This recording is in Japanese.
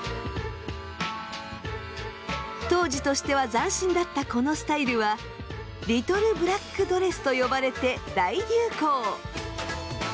当時としては斬新だったこのスタイルはリトルブラックドレスと呼ばれて大流行！